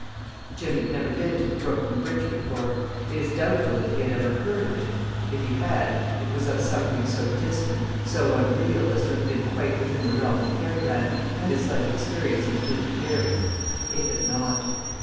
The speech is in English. Jim had never been to the Brooklyn Bridge before. It is doubtful if he had ever heard of it. If he had, it was as of something so distant, so unreal, as to have been quite within the realm of fairyland, had his life experience included fairies. It had not.